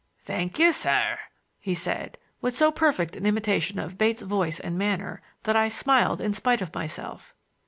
"Thank you, sir," he said, with so perfect an imitation of Bates' voice and manner that I smiled in spite of myself.